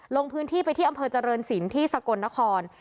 ลงพื้นที่ไปที่อำเภอเจริญศิลป์ที่สกลนคร